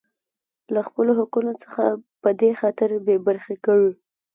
لـه خـپـلو حـقـونـو څـخـه پـه دې خاطـر بـې بـرخـې کـړي.